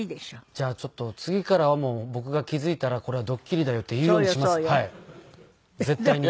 じゃあちょっと次からはもう僕が気付いたらこれはドッキリだよって言うようにします絶対に。